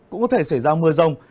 cũng có thể xảy ra mưa rông